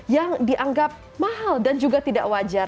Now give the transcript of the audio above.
yang dianggap mahal dan juga tidak wajar